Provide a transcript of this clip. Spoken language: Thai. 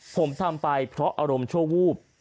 ผมทำไปเพราะอารมณ์ชั่ววูบ